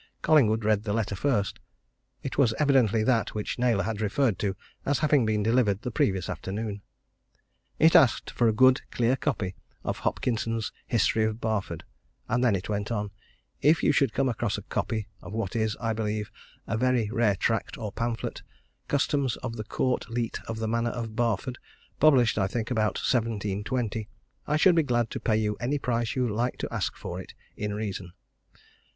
Collingwood read the letter first it was evidently that which Naylor had referred to as having been delivered the previous afternoon. It asked for a good, clear copy of Hopkinson's History of Barford and then it went on, "If you should come across a copy of what is, I believe, a very rare tract or pamphlet, Customs of the Court Leet of the Manor of Barford, published, I think, about 1720, I should be glad to pay you any price you like to ask for it in reason."